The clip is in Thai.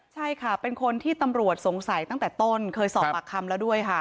ใช่ค่ะเป็นคนที่ตำรวจสงสัยตั้งแต่ต้นเคยสอบปากคำแล้วด้วยค่ะ